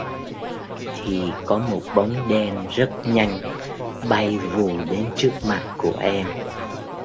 thì có một bóng đen rất nhanh, bay vù đến trước mặt của em